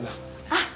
あっ！